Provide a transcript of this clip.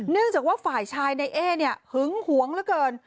เนื่องจากว่าฝ่ายชายในเอ๊เนี่ยหึงหวงเหลือเกิน